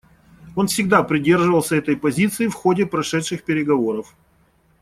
Он всегда придерживался этой позиции в ходе прошедших переговоров.